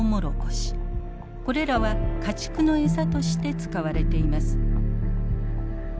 これらは家畜のエサとして使われています。